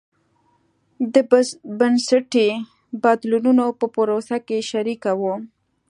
د بنسټي بدلونونو په پروسه کې شریکه وه.